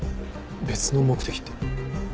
別の目的って？